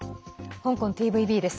香港ＴＶＢです。